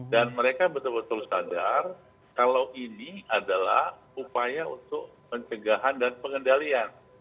dan mereka betul betul sadar kalau ini adalah upaya untuk pencegahan dan pengendalian